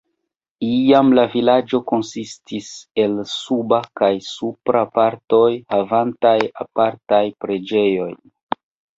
Iam la vilaĝo konsistis el "Suba" kaj "Supra" partoj, havantaj apartajn preĝejojn.